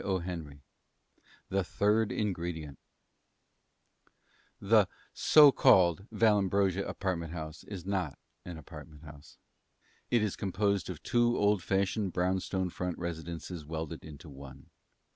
Roosevelt THE THIRD INGREDIENT The (so called) Vallambrosa Apartment House is not an apartment house. It is composed of two old fashioned, brownstone front residences welded into one.